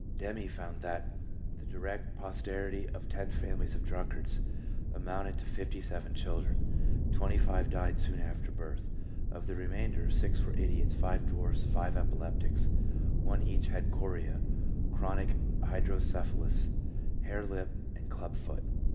Demme found that the direct posterity of ten families of drunkards amounted to fifty seven children ; twenty five died soon after birth ; of the remainder, six were idiots, five dwarfs, five epileptics, one each had chorea, chronic hydrocephalus, hair lip, and club foot.